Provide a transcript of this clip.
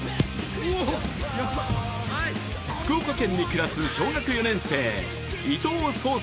福岡県に暮らす小学４年生、伊藤颯亮